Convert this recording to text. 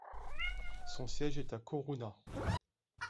Son siège est à Corunna.